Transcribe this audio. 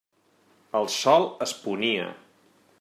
El sol es ponia.